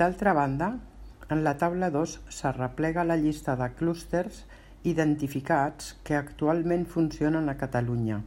D'altra banda, en la taula dos s'arreplega la llista de clústers identificats que actualment funcionen a Catalunya.